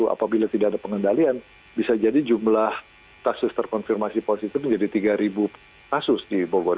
apabila tidak ada pengendalian bisa jadi jumlah kasus terkonfirmasi positif menjadi tiga kasus di bogor